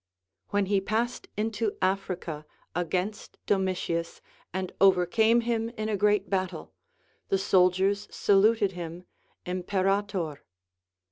When he passed into Africa against Domitius and overcame him in a great battle, the soldiers saluted him Imperator.